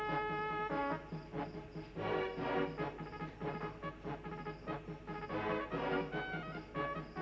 alhamdulillah zaman berdalam ini kurang besar untuk diilham